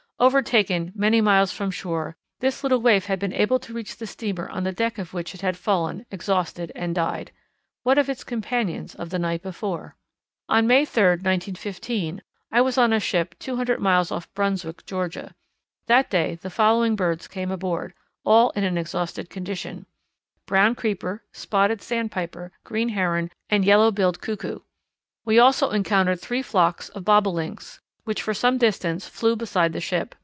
Overtaken many miles from shore, this little waif had been able to reach the steamer on the deck of which it had fallen exhausted and died. What of its companions of the night before? On May 3, 1915, I was on a ship two hundred miles off Brunswick, Georgia. That day the following birds came aboard, all in an exhausted condition: Brown Creeper, Spotted Sandpiper, Green Heron, and Yellow billed Cuckoo. We also encountered three flocks of Bobolinks, which for some distance flew beside the ship.